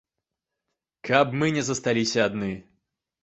Каб мы не засталіся адны.